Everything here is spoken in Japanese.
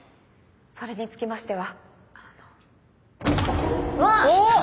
それにつきましては。